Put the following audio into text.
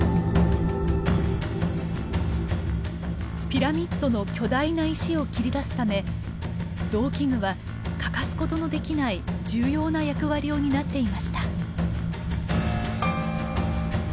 ピラミッドの巨大な石を切り出すため銅器具は欠かすことのできない重要な役割を担っていました。